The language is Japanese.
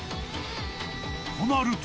［となると］